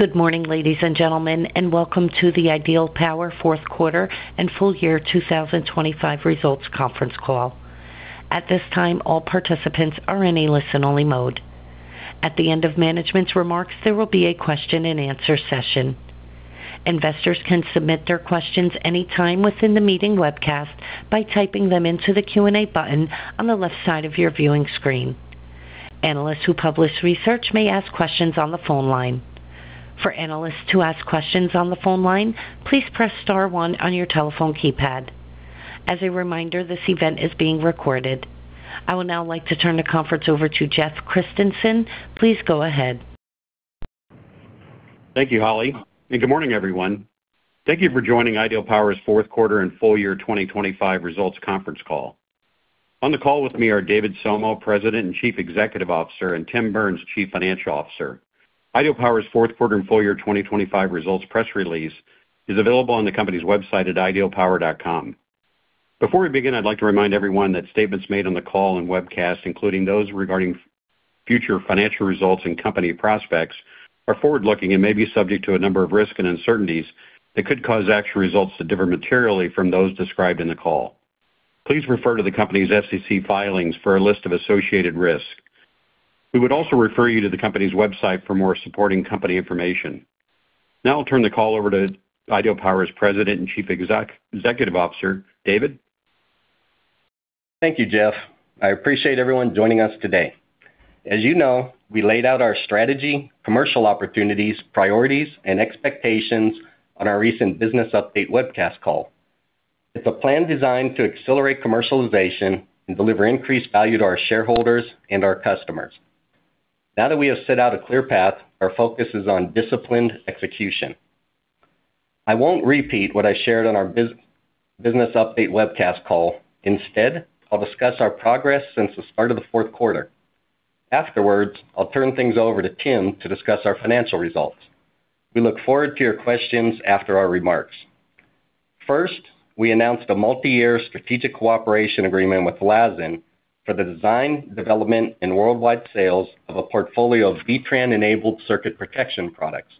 Good morning, ladies and gentlemen, and welcome to the Ideal Power Fourth Quarter and full year 2025 results conference call. At this time, all participants are in a listen-only mode. At the end of management's remarks, there will be a question-and-answer session. Investors can submit their questions any time within the meeting webcast by typing them into the Q&A button on the left side of your viewing screen. Analysts who publish research may ask questions on the phone line. For analysts to ask questions on the phone line, please press star one on your telephone keypad. As a reminder, this event is being recorded. I would now like to turn the conference over to Jeff Christensen. Please go ahead. Thank you, [Holly], and good morning, everyone. Thank you for joining Ideal Power's Fourth Quarter and full year 2025 results conference call. On the call with me are David Somo, President and Chief Executive Officer, and Tim Burns, Chief Financial Officer. Ideal Power's Fourth Quarter and full year 2025 results press release is available on the company's website at idealpower.com. Before we begin, I'd like to remind everyone that statements made on the call and webcast, including those regarding future financial results and company prospects, are forward looking and may be subject to a number of risks and uncertainties that could cause actual results to differ materially from those described in the call. Please refer to the company's SEC filings for a list of associated risks. We would also refer you to the company's website for more supporting company information. Now I'll turn the call over to Ideal Power's President and Chief Executive Officer. David? Thank you, Jeff. I appreciate everyone joining us today. As you know, we laid out our strategy, commercial opportunities, priorities, and expectations on our recent business update webcast call. It's a plan designed to accelerate commercialization and deliver increased value to our shareholders and our customers. Now that we have set out a clear path, our focus is on disciplined execution. I won't repeat what I shared on our business update webcast call. Instead, I'll discuss our progress since the start of the fourth quarter. Afterwards, I'll turn things over to Tim to discuss our financial results. We look forward to your questions after our remarks. First, we announced a multi-year strategic cooperation agreement with Lasin for the design, development, and worldwide sales of a portfolio of B-TRAN enabled circuit protection products.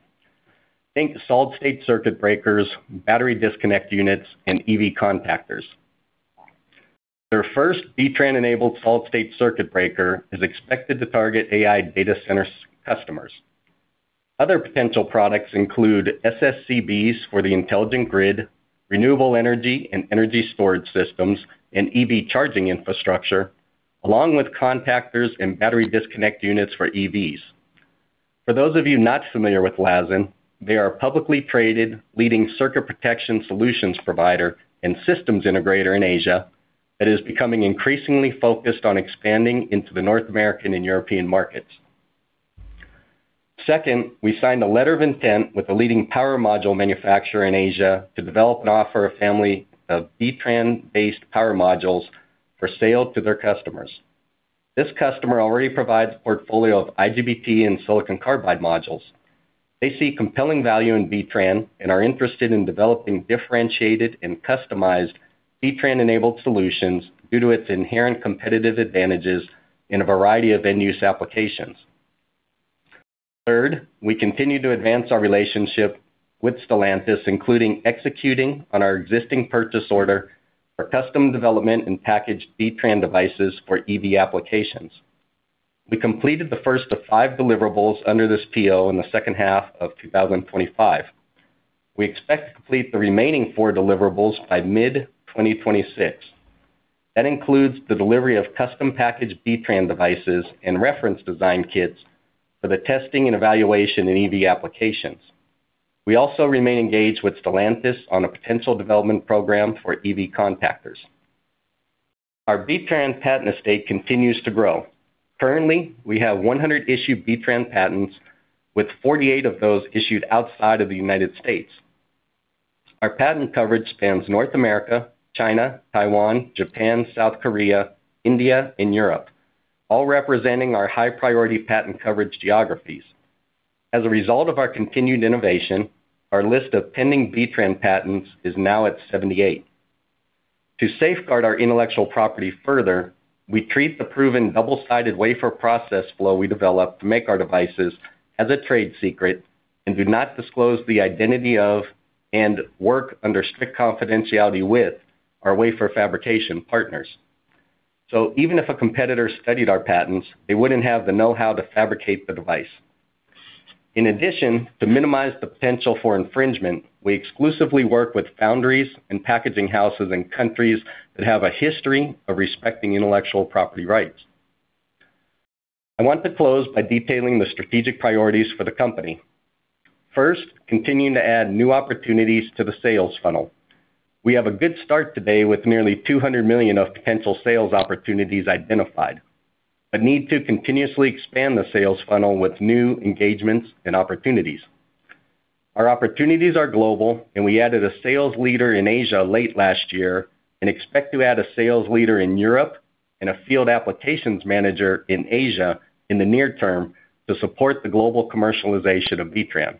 Think solid-state circuit breakers, battery disconnect units, and EV contactors. Their first B-TRAN enabled solid-state circuit breaker is expected to target AI data center customers. Other potential products include SSCBs for the intelligent grid, renewable energy and energy storage systems, and EV charging infrastructure, along with contactors and battery disconnect units for EVs. For those of you not familiar with Lasin, they are a publicly traded leading circuit protection solutions provider and systems integrator in Asia that is becoming increasingly focused on expanding into the North American and European markets. Second, we signed a letter of intent with a leading power module manufacturer in Asia to develop and offer a family of B-TRAN based power modules for sale to their customers. This customer already provides a portfolio of IGBT and silicon carbide modules. They see compelling value in B-TRAN and are interested in developing differentiated and customized B-TRAN enabled solutions due to its inherent competitive advantages in a variety of end use applications. Third, we continue to advance our relationship with Stellantis, including executing on our existing purchase order for custom development and packaged B-TRAN devices for EV applications. We completed the first of five deliverables under this PO in the second half of 2025. We expect to complete the remaining four deliverables by mid-2026. That includes the delivery of custom packaged B-TRAN devices and reference design kits for the testing and evaluation in EV applications. We also remain engaged with Stellantis on a potential development program for EV contactors. Our B-TRAN patent estate continues to grow. Currently, we have 100 issued B-TRAN patents, with 48 of those issued outside of the United States. Our patent coverage spans North America, China, Taiwan, Japan, South Korea, India, and Europe, all representing our high-priority patent coverage geographies. As a result of our continued innovation, our list of pending B-TRAN patents is now at 78. To safeguard our intellectual property further, we treat the proven double-sided wafer process flow we developed to make our devices as a trade secret and do not disclose the identity of, and work under strict confidentiality with, our wafer fabrication partners. Even if a competitor studied our patents, they wouldn't have the know-how to fabricate the device. In addition, to minimize the potential for infringement, we exclusively work with foundries and packaging houses in countries that have a history of respecting intellectual property rights. I want to close by detailing the strategic priorities for the company. First, continuing to add new opportunities to the sales funnel. We have a good start today with nearly 200 million of potential sales opportunities identified, but need to continuously expand the sales funnel with new engagements and opportunities. Our opportunities are global, and we added a sales leader in Asia late last year and expect to add a sales leader in Europe and a field applications manager in Asia in the near term to support the global commercialization of B-TRAN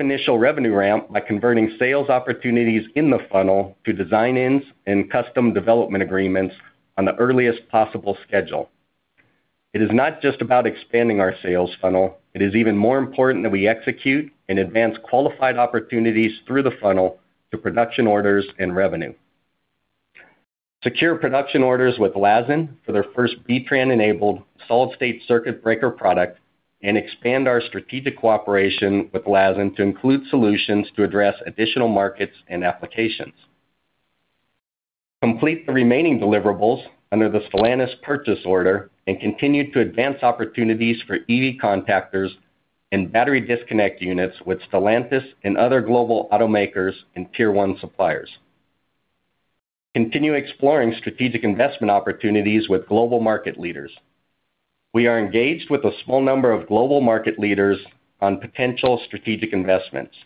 initial revenue ramp by converting sales opportunities in the funnel to design-ins and custom development agreements on the earliest possible schedule. It is not just about expanding our sales funnel. It is even more important that we execute and advance qualified opportunities through the funnel to production orders and revenue. Secure production orders with Lasin for their first B-TRAN enabled solid-state circuit breaker product, and expand our strategic cooperation with Lasin to include solutions to address additional markets and applications. Complete the remaining deliverables under the Stellantis purchase order and continue to advance opportunities for EV contactors and battery disconnect units with Stellantis and other global automakers and tier one suppliers. Continue exploring strategic investment opportunities with global market leaders. We are engaged with a small number of global market leaders on potential strategic investments.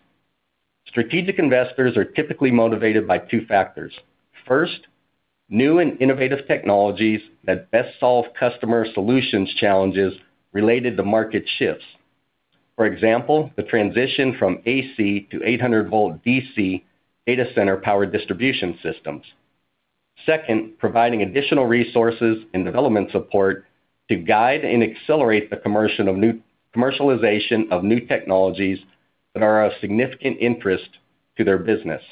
Strategic investors are typically motivated by two factors. First, new and innovative technologies that best solve customer solutions challenges related to market shifts. For example, the transition from AC to 800 volt DC data center power distribution systems. Second, providing additional resources and development support to guide and accelerate the commercialization of new technologies that are of significant interest to their business.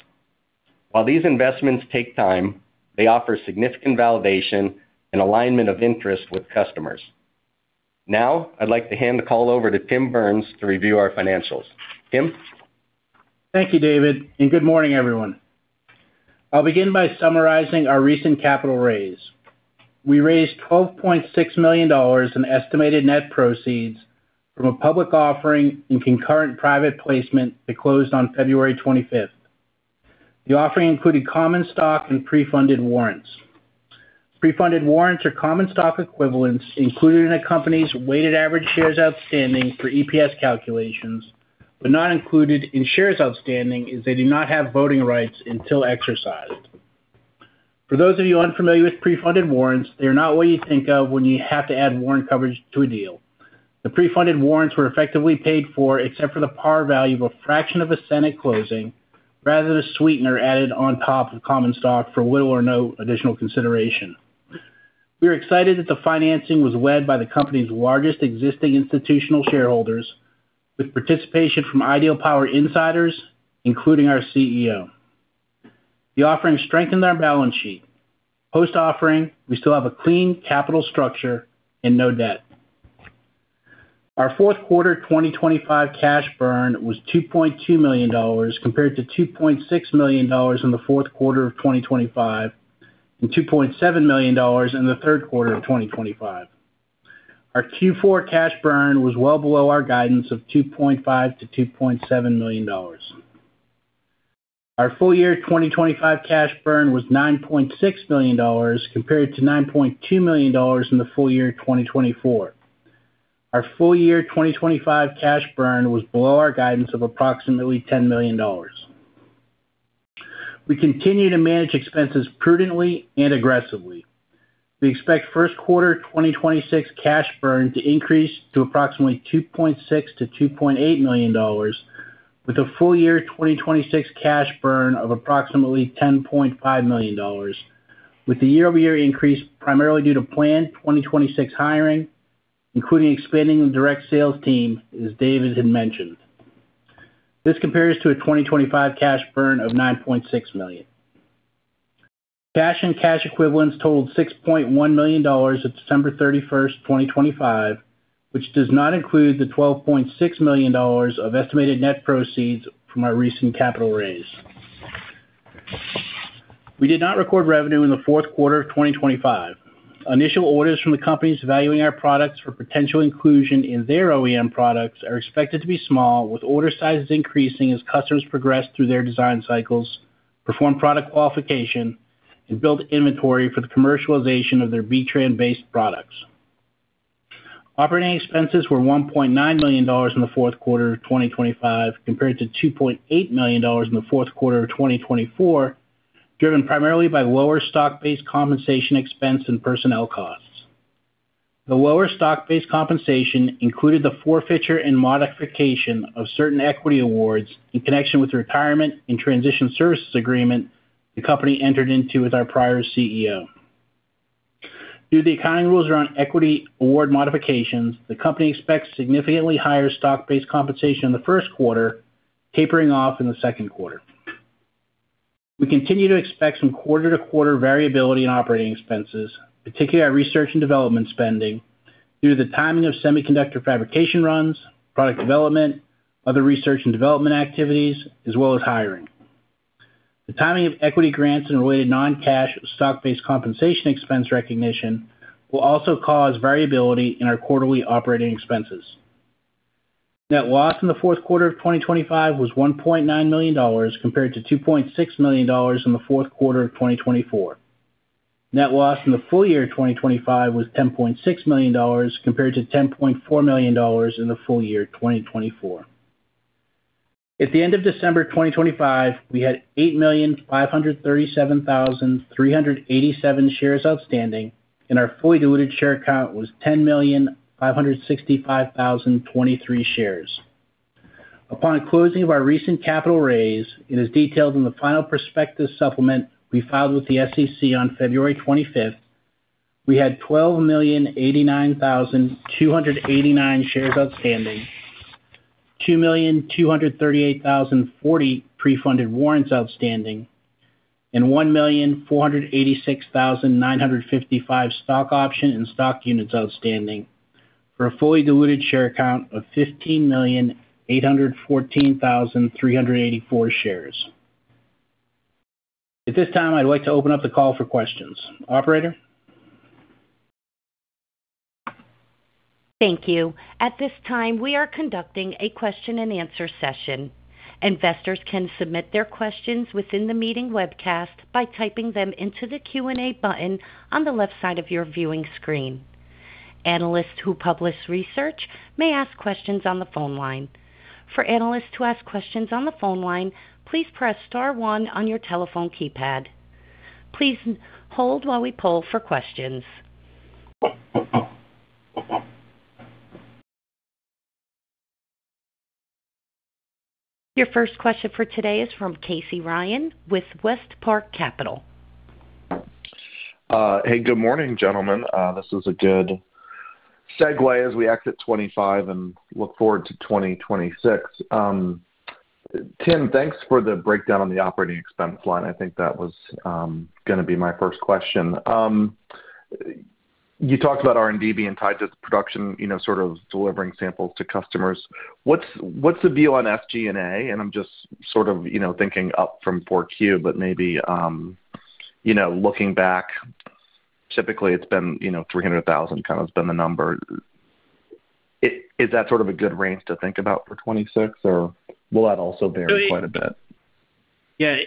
While these investments take time, they offer significant validation and alignment of interest with customers. Now I'd like to hand the call over to Tim Burns to review our financials. Tim? Thank you, David, and good morning, everyone. I'll begin by summarizing our recent capital raise. We raised $12.6 million in estimated net proceeds from a public offering and concurrent private placement that closed on February 2025th. The offering included common stock and pre-funded warrants. Pre-funded warrants are common stock equivalents included in a company's weighted average shares outstanding for EPS calculations, but not included in shares outstanding as they do not have voting rights until exercised. For those of you unfamiliar with pre-funded warrants, they are not what you think of when you have to add warrant coverage to a deal. The pre-funded warrants were effectively paid for, except for the par value of a fraction of a cent at closing rather than a sweetener added on top of common stock for little or no additional consideration. We are excited that the financing was led by the company's largest existing institutional shareholders with participation from Ideal Power insiders, including our CEO. The offering strengthened our balance sheet. Post-offering, we still have a clean capital structure and no debt. Our fourth quarter 2025 cash burn was $2.2 million compared to $2.6 million in the fourth quarter of 2025, and $2.7 million in the third quarter of 2025. Our Q4 cash burn was well below our guidance of $2.5 million-$2.7 million. Our full year 2025 cash burn was $9.6 million compared to $9.2 million in the full year 2024. Our full year 2025 cash burn was below our guidance of approximately $10 million. We continue to manage expenses prudently and aggressively. We expect first quarter 2026 cash burn to increase to approximately $2.6 million-$2.8 million with a full year 2026 cash burn of approximately $10.5 million, with the year-over-year increase primarily due to planned 2026 hiring, including expanding the direct sales team, as David had mentioned. This compares to a 2025 cash burn of $9.6 million. Cash and cash equivalents totaled $6.1 million at December 31, 2025, which does not include the $12.6 million of estimated net proceeds from our recent capital raise. We did not record revenue in the fourth quarter of 2025. Initial orders from the companies evaluating our products for potential inclusion in their OEM products are expected to be small, with order sizes increasing as customers progress through their design cycles, perform product qualification, and build inventory for the commercialization of their B-TRAN based products. Operating expenses were $1.9 million in the fourth quarter of 2025 compared to $2.8 million in the fourth quarter of 2024, driven primarily by lower stock-based compensation expense and personnel costs. The lower stock-based compensation included the forfeiture and modification of certain equity awards in connection with the retirement and transition services agreement the company entered into with our prior CEO. Due to the accounting rules around equity award modifications, the company expects significantly higher stock-based compensation in the first quarter, tapering off in the second quarter. We continue to expect some quarter-to-quarter variability in operating expenses, particularly our research and development spending, due to the timing of semiconductor fabrication runs, product development, other research and development activities, as well as hiring. The timing of equity grants and related non-cash stock-based compensation expense recognition will also cause variability in our quarterly operating expenses. Net loss in the fourth quarter of 2025 was $1.9 million compared to $2.6 million in the fourth quarter of 2024. Net loss in the full year 2025 was $10.6 million compared to $10.4 million in the full year 2024. At the end of December 2025, we had 8,537,387 shares outstanding. Our fully diluted share count was 10,565,023 shares. Upon closing of our recent capital raise, it is detailed in the final prospectus supplement we filed with the SEC on February 25. We had 12,089,289 shares outstanding, 2,238,040 pre-funded warrants outstanding, and 1,486,955 stock options and stock units outstanding, for a fully diluted share count of 15,814,384 shares. At this time, I'd like to open up the call for questions. Operator? Thank you. At this time, we are conducting a question-and-answer session. Investors can submit their questions within the meeting webcast by typing them into the Q&A button on the left side of your viewing screen. Analysts who publish research may ask questions on the phone line. For analysts to ask questions on the phone line, please press star one on your telephone keypad. Please hold while we poll for questions. Your first question for today is from Casey Ryan with WestPark Capital. Hey, good morning, gentlemen. This is a good segue as we exit 2025 and look forward to 2026. Tim, thanks for the breakdown on the operating expense line. I think that was gonna be my first question. You talked about R&D being tied to production, you know, sort of delivering samples to customers. What's the deal on SG&A? I'm just sort of, you know, thinking up from 4Q, but maybe, you know, looking back, typically it's been, you know, $300,000 kinda has been the number. Is that sort of a good range to think about for 2026, or will that also vary quite a bit? Yeah.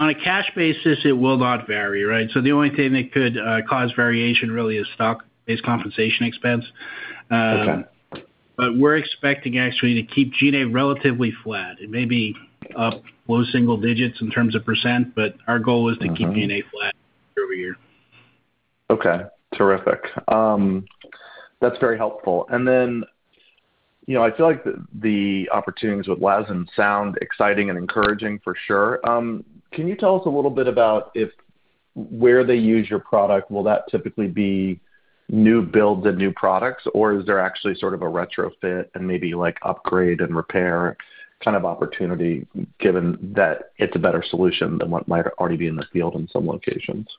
On a cash basis, it will not vary, right? The only thing that could cause variation really is stock-based compensation expense. Okay. We're expecting actually to keep G&A relatively flat. It may be up low single digits in terms of percent. Our goal is to keep Mm-hmm. G&A flat every year. Okay. Terrific. That's very helpful. You know, I feel like the opportunities with Lasin sound exciting and encouraging for sure. Can you tell us a little bit about if where they use your product, will that typically be new builds and new products, or is there actually sort of a retrofit and maybe like upgrade and repair kind of opportunity given that it's a better solution than what might already be in the field in some locations? Yeah.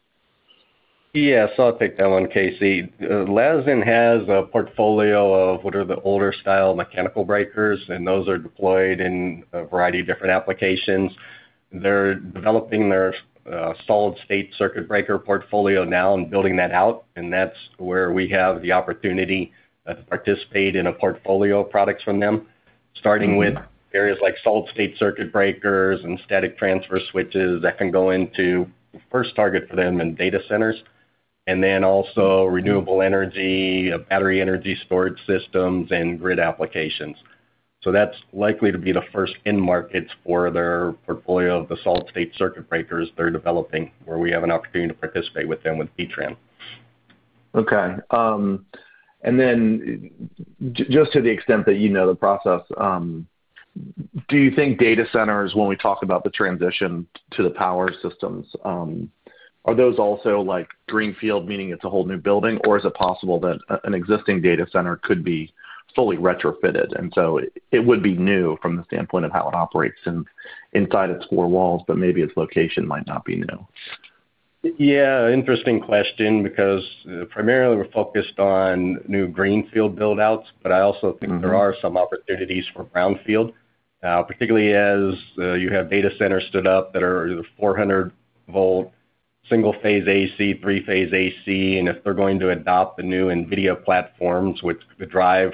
I'll take that one, Casey. Lasin has a portfolio of what are the older style mechanical breakers, and those are deployed in a variety of different applications. They're developing their solid-state circuit breaker portfolio now and building that out, and that's where we have the opportunity to participate in a portfolio of products from them, starting with areas like solid-state circuit breakers and static transfer switches that can go into the first target for them in data centers, and then also renewable energy, battery energy storage systems, and grid applications. That's likely to be the first end markets for their portfolio of the solid-state circuit breakers they're developing, where we have an opportunity to participate with them with B-TRAN. Okay. Just to the extent that you know the process, do you think data centers, when we talk about the transition to the power systems, are those also like greenfield, meaning it's a whole new building, or is it possible that an existing data center could be fully retrofitted, and so it would be new from the standpoint of how it operates inside its four walls, but maybe its location might not be new? Yeah. Interesting question, because primarily we're focused on new greenfield build-outs, but I also think. Mm-hmm. There are some opportunities for brownfield, particularly as you have data centers stood up that are either 400 volt, single-phase AC, three-phase AC, and if they're going to adopt the new Nvidia platforms, which could drive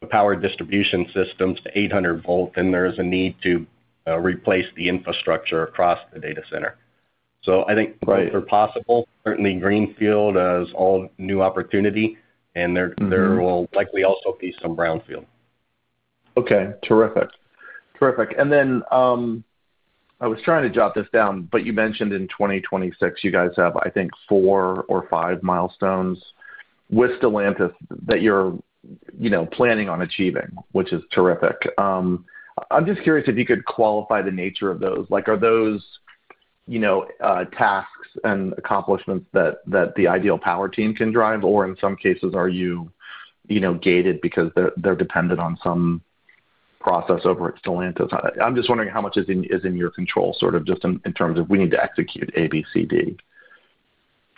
the power distribution systems to 800 volt, then there's a need to replace the infrastructure across the data center. I think- Right. Both are possible. Certainly greenfield as all new opportunity. Mm-hmm. There will likely also be some brownfield. Okay. Terrific. Terrific. Then, I was trying to jot this down, but you mentioned in 2026, you guys have, I think, four or five milestones with Stellantis that you're, you know, planning on achieving, which is terrific. I'm just curious if you could qualify the nature of those. Like, are those, you know, tasks and accomplishments that the Ideal Power team can drive, or in some cases, are you know, gated because they're dependent on some process over at Stellantis? I'm just wondering how much is in your control, sort of just in terms of we need to execute A, B, C, D.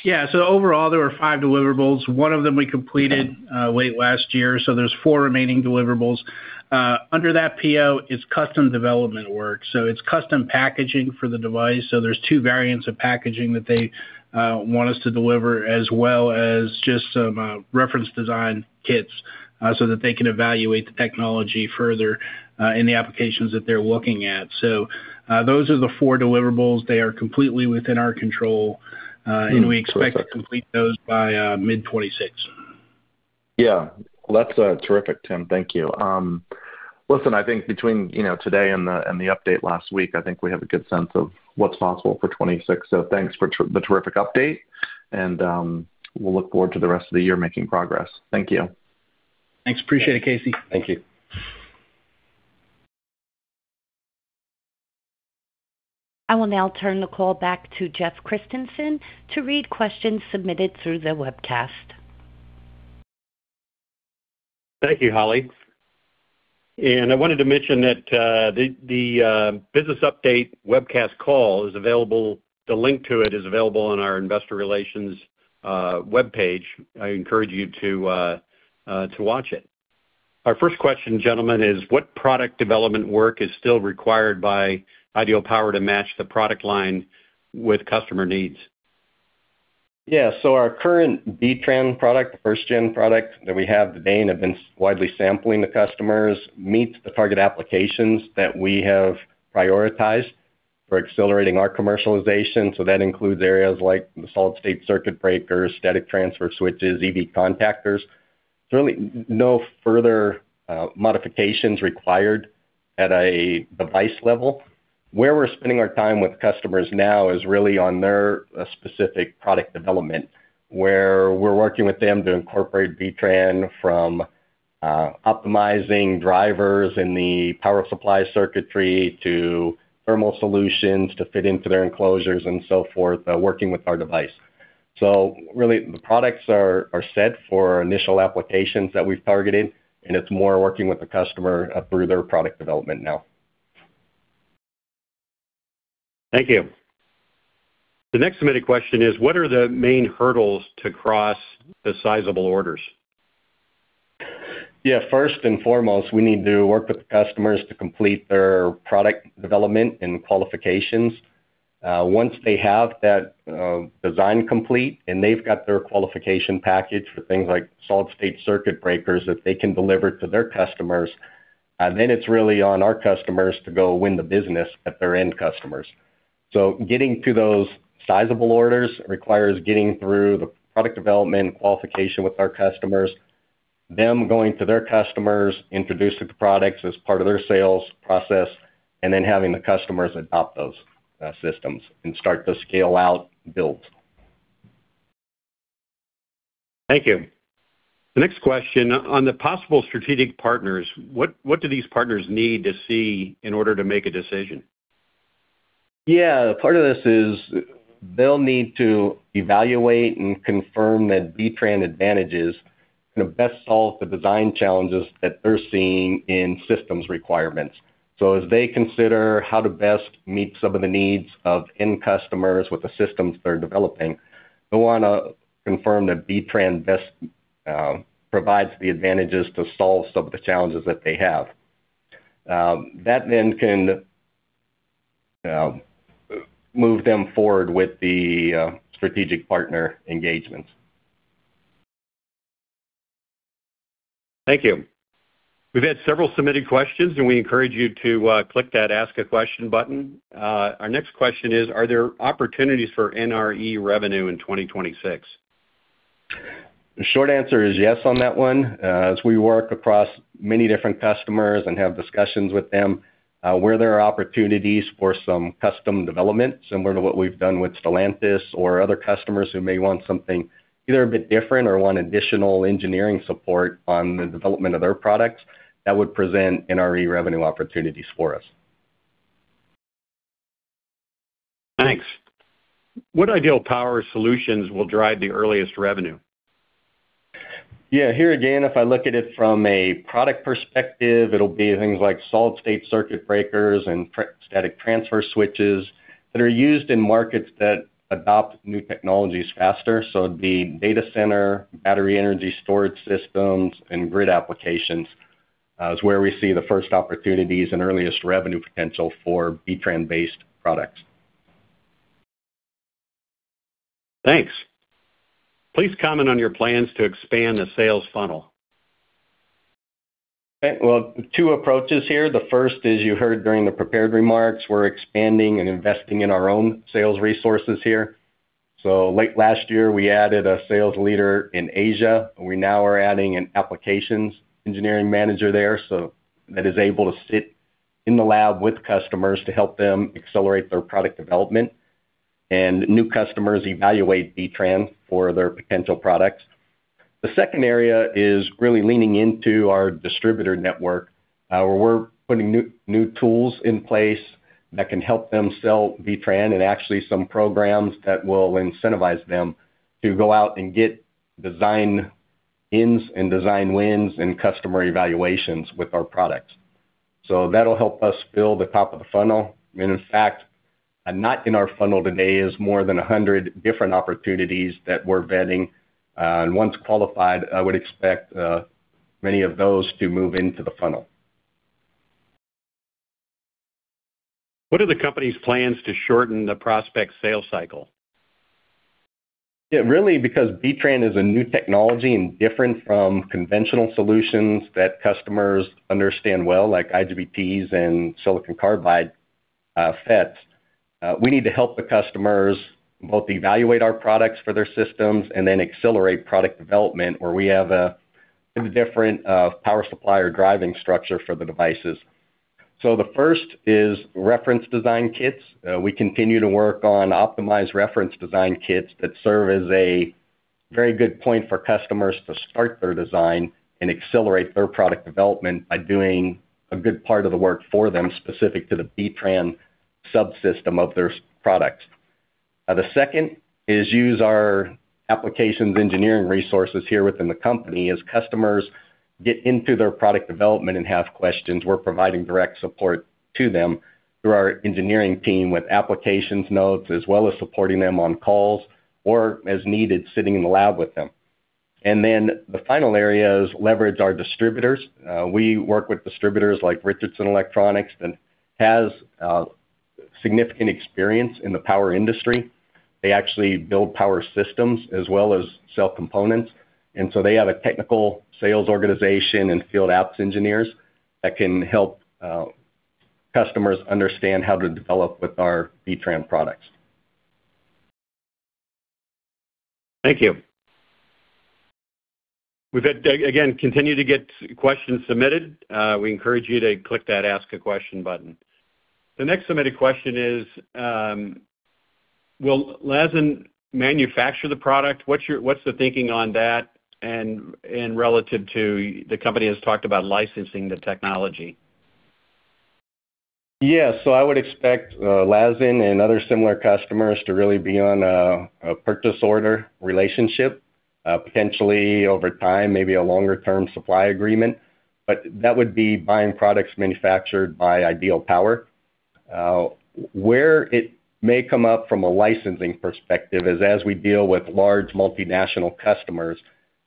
Yeah. Overall, there were five deliverables. One of them we completed. Okay. Late last year, there's four remaining deliverables. Under that PO, it's custom development work, it's custom packaging for the device. There's two variants of packaging that they want us to deliver, as well as just some reference design kits that they can evaluate the technology further in the applications that they're looking at. Those are the four deliverables. They are completely within our control. Perfect. We expect to complete those by mid-2026. Yeah, that's terrific, Tim. Thank you. Listen, I think between, you know, today and the update last week, I think we have a good sense of what's possible for 2026. Thanks for the terrific update and we'll look forward to the rest of the year making progress. Thank you. Thanks. Appreciate it, Casey. Thank you. I will now turn the call back to Jeff Christensen to read questions submitted through the webcast. Thank you, [Holly]. I wanted to mention that the business update webcast call is available. The link to it is available on our investor relations webpage. I encourage you to watch it. Our first question, gentlemen, is what product development work is still required by Ideal Power to match the product line with customer needs? Yeah. Our current B-TRAN product, the first gen product that we have today and have been widely sampling to customers, meets the target applications that we have prioritized for accelerating our commercialization. That includes areas like solid-state circuit breakers, static transfer switches, EV contactors. There's really no further modifications required at a device level. Where we're spending our time with customers now is really on their specific product development, where we're working with them to incorporate B-TRAN from optimizing drivers in the power supply circuitry to thermal solutions to fit into their enclosures and so forth, working with our device. Really the products are set for initial applications that we've targeted, and it's more working with the customer through their product development now. Thank you. The next submitted question is, what are the main hurdles to cross the sizable orders? Yeah. First and foremost, we need to work with the customers to complete their product development and qualifications. Once they have that, design complete and they've got their qualification package for things like solid-state circuit breakers that they can deliver to their customers, then it's really on our customers to go win the business at their end customers. Getting to those sizable orders requires getting through the product development qualification with our customers, them going to their customers, introducing the products as part of their sales process, and then having the customers adopt those, systems and start to scale out and build. Thank you. The next question, on the possible strategic partners, what do these partners need to see in order to make a decision? Yeah. Part of this is they'll need to evaluate and confirm that B-TRAN advantages can best solve the design challenges that they're seeing in systems requirements. As they consider how to best meet some of the needs of end customers with the systems they're developing, they wanna confirm that B-TRAN provides the advantages to solve some of the challenges that they have. That then can move them forward with the strategic partner engagement. Thank you. We've had several submitted questions, and we encourage you to click that Ask a Question button. Our next question is, are there opportunities for NRE revenue in 2026? The short answer is yes on that one. As we work across many different customers and have discussions with them, where there are opportunities for some custom development, similar to what we've done with Stellantis or other customers who may want something either a bit different or want additional engineering support on the development of their products, that would present NRE revenue opportunities for us. Thanks. What Ideal Power solutions will drive the earliest revenue? Yeah. Here again, if I look at it from a product perspective, it'll be things like solid-state circuit breakers and static transfer switches that are used in markets that adopt new technologies faster. The data center, battery energy storage systems, and grid applications is where we see the first opportunities and earliest revenue potential for B-TRAN-based products. Thanks. Please comment on your plans to expand the sales funnel. Okay. Well, two approaches here. The first, as you heard during the prepared remarks, we're expanding and investing in our own sales resources here. Late last year, we added a sales leader in Asia. We now are adding an applications engineering manager there, so that is able to sit in the lab with customers to help them accelerate their product development. And new customers evaluate B-TRAN for their potential products. The second area is really leaning into our distributor network, where we're putting new tools in place that can help them sell B-TRAN and actually some programs that will incentivize them to go out and get design ins and design wins and customer evaluations with our products. That'll help us fill the top of the funnel. In fact, a knot in our funnel today is more than 100 different opportunities that we're vetting. Once qualified, I would expect many of those to move into the funnel. What are the company's plans to shorten the prospect sales cycle? Yeah, really, because B-TRAN is a new technology and different from conventional solutions that customers understand well, like IGBTs and silicon carbide, FETs, we need to help the customers both evaluate our products for their systems and then accelerate product development where we have a different, power supply driving structure for the devices. The first is reference design kits. We continue to work on optimized reference design kits that serve as a very good point for customers to start their design and accelerate their product development by doing a good part of the work for them, specific to the B-TRAN subsystem of their end-product. The second is to use our applications engineering resources here within the company. As customers get into their product development and have questions, we're providing direct support to them through our engineering team with application notes, as well as supporting them on calls or as needed, sitting in the lab with them. The final area is leverage our distributors. We work with distributors like Richardson Electronics, that has significant experience in the power industry. They actually build power systems as well as sell components. They have a technical sales organization and field apps engineers that can help customers understand how to develop with our B-TRAN products. Thank you. We've again continue to get questions submitted. We encourage you to click that Ask a Question button. The next submitted question is, will Lasin manufacture the product? What's the thinking on that? Relative to the company has talked about licensing the technology. Yeah. I would expect Lasin and other similar customers to really be on a purchase order relationship, potentially over time, maybe a longer-term supply agreement. That would be buying products manufactured by Ideal Power. Where it may come up from a licensing perspective is as we deal with large multinational customers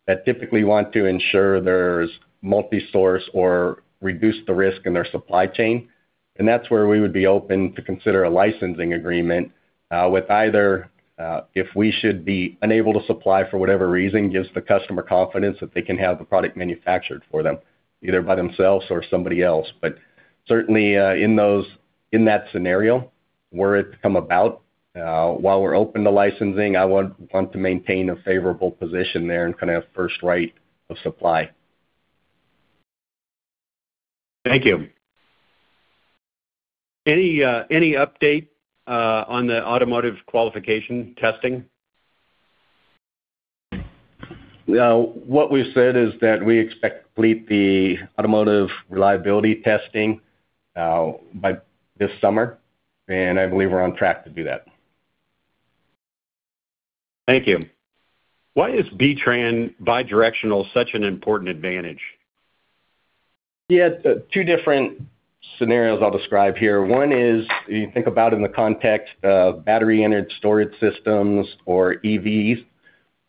that typically want to ensure there's multi-source or reduce the risk in their supply chain. That's where we would be open to consider a licensing agreement, with either, if we should be unable to supply for whatever reason, gives the customer confidence that they can have the product manufactured for them, either by themselves or somebody else. Certainly, in that scenario, were it to come about, while we're open to licensing, I would want to maintain a favorable position there and kind of first right of supply. Thank you. Any update on the automotive qualification testing? What we've said is that we expect to complete the automotive reliability testing by this summer, and I believe we're on track to do that. Thank you. Why is B-TRAN bidirectional such an important advantage? Yeah. Two different scenarios I'll describe here. One is you think about in the context of battery energy storage systems or EVs,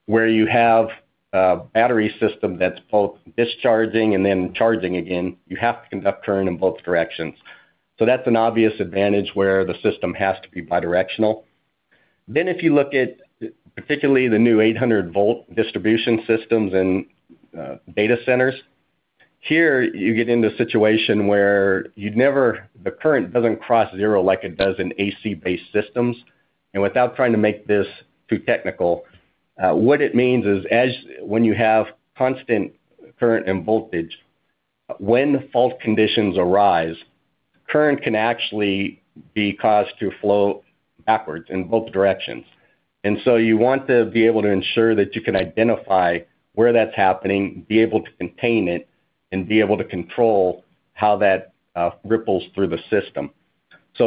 where you have a battery system that's both discharging and then charging again, you have to conduct current in both directions. That's an obvious advantage where the system has to be bidirectional. If you look at particularly the new 800 volt distribution systems and data centers, here you get into a situation where the current doesn't cross zero like it does in AC-based systems. Without trying to make this too technical, what it means is when you have constant current and voltage, when fault conditions arise, current can actually be caused to flow backwards in both directions. You want to be able to ensure that you can identify where that's happening, be able to contain it, and be able to control how that ripples through the system.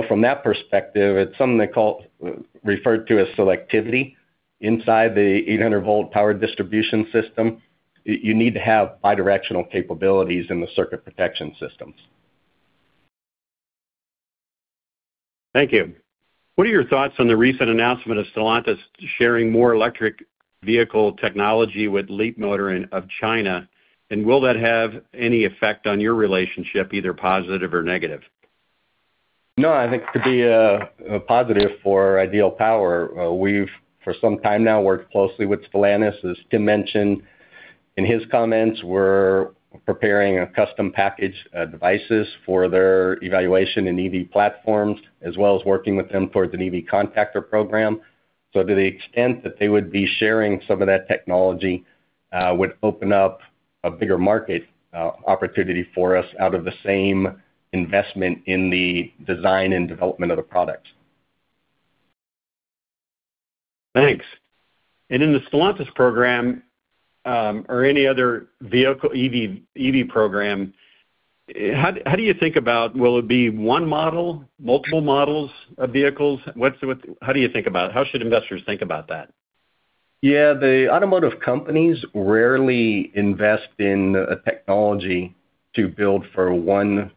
From that perspective, it's something referred to as selectivity inside the 800 volt power distribution system. You need to have bidirectional capabilities in the circuit protection systems. Thank you. What are your thoughts on the recent announcement of Stellantis sharing more electric vehicle technology with Leapmotor of China? Will that have any effect on your relationship, either positive or negative? No, I think it could be a positive for Ideal Power. We've for some time now worked closely with Stellantis. As Tim mentioned in his comments, we're preparing a custom package, devices for their evaluation and EV platforms, as well as working with them towards an EV contactor program. To the extent that they would be sharing some of that technology, would open up a bigger market opportunity for us out of the same investment in the design and development of the product. Thanks. In the Stellantis program, or any other vehicle EV program, how do you think about will it be one model, multiple models of vehicles? What's how do you think about it? How should investors think about that? Yeah. The automotive companies rarely invest in a technology to build for one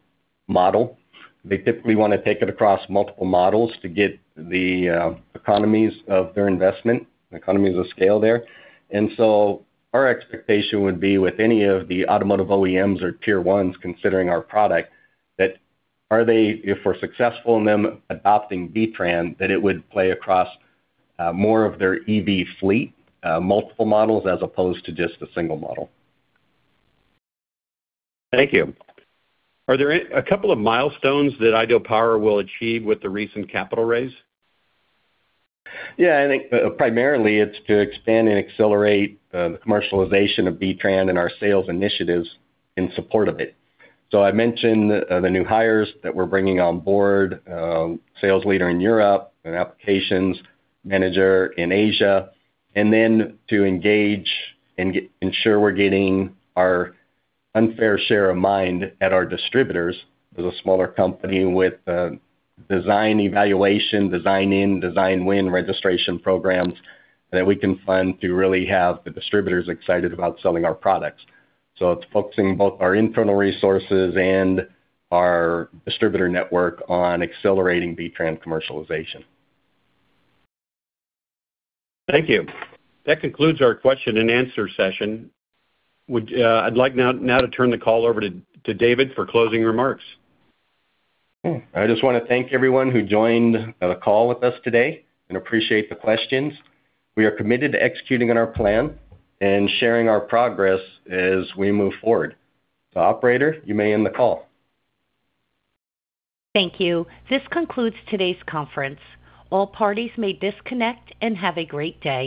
model. They typically wanna take it across multiple models to get the economies of their investment, economies of scale there. Our expectation would be with any of the automotive OEMs or tier ones considering our product if we're successful in them adopting B-TRAN, that it would play across more of their EV fleet, multiple models, as opposed to just a single model. Thank you. Are there a couple of milestones that Ideal Power will achieve with the recent capital raise? Yeah, I think primarily it's to expand and accelerate the commercialization of B-TRAN and our sales initiatives in support of it. I mentioned the new hires that we're bringing on board, sales leader in Europe, an applications manager in Asia, and then to engage and ensure we're getting our unfair share of mind at our distributors. As a smaller company with design evaluation, design in, design win registration programs that we can fund to really have the distributors excited about selling our products. It's focusing both our internal resources and our distributor network on accelerating B-TRAN commercialization. Thank you. That concludes our question and answer session. I'd like now to turn the call over to David for closing remarks. I just wanna thank everyone who joined the call with us today and appreciate the questions. We are committed to executing on our plan and sharing our progress as we move forward. Operator, you may end the call. Thank you. This concludes today's conference. All parties may disconnect and have a great day.